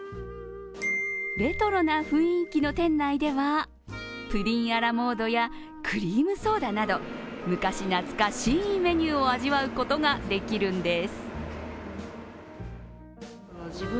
レトロな雰囲気の店内ではプリンアラモードやクリームソーダなど、昔懐かしいメニューを味わうことができるんです。